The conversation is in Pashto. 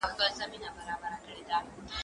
زه بايد موبایل کار کړم؟